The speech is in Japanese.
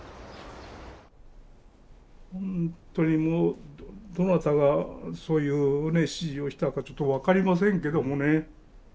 本当にもうどなたがそういうね指示をしたかちょっと分かりませんけどもね。